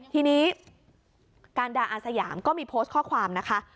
ทีนี้การดาอาสยามก็มีโพสต์ข้อความนะคะ